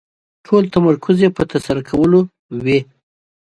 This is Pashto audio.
ټول تمرکز يې په ترسره کولو وي.